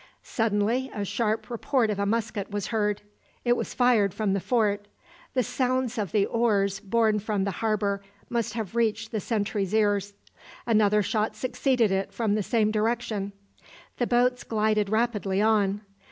Suddenly a sharp report of a musket was heard. It was fired from the fort. The sounds of the oars borne from the harbour must have reached the sentry's ears. Another shot succeeded it from the same direction. The boats glided rapidly on.